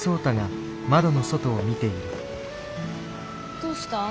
どうしたん？